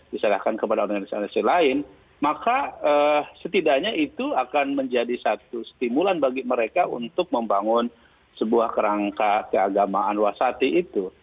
diserahkan kepada organisasi lain maka setidaknya itu akan menjadi satu stimulan bagi mereka untuk membangun sebuah kerangka keagamaan wasati itu